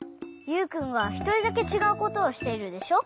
ユウくんがひとりだけちがうことをしているでしょ？